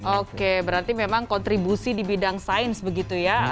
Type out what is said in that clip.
oke berarti memang kontribusi di bidang sains begitu ya